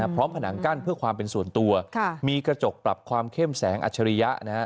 ผนังกั้นเพื่อความเป็นส่วนตัวมีกระจกปรับความเข้มแสงอัจฉริยะนะฮะ